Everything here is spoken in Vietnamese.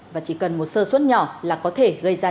và chỉ cần một sơ xuất nhỏ là có thể